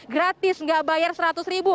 gratis nggak bayar seratus ribu